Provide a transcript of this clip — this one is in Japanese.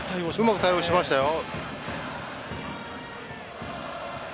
うまく対応しましたよ。